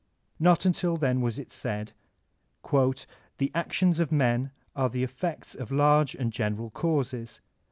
Not until then was it said: "The actions of men are the effects of large and general causes.